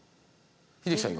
英樹さん